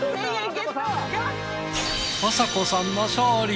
あさこさんの勝利！